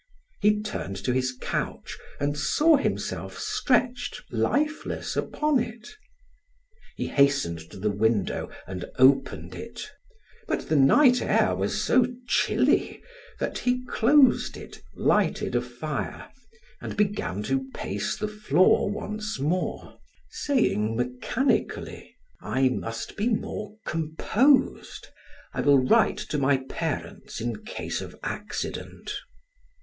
He turned to his couch and saw himself stretched lifeless upon it. He hastened to the window and opened it; but the night air was so chilly that he closed it, lighted a fire, and began to pace the floor once more, saying mechanically: "I must be more composed. I will write to my parents, in case of accident."